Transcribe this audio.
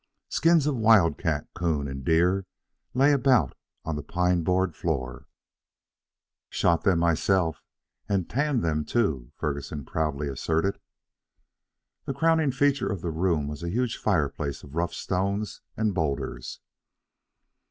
Skins of wildcat, 'coon, and deer lay about on the pine board floor. "Shot them myself, and tanned them, too," Ferguson proudly asserted. The crowning feature of the room was a huge fireplace of rough stones and boulders.